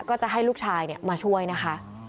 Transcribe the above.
ก็จะให้ลูกชายมาช่วยนะคะ